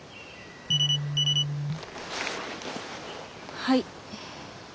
はい。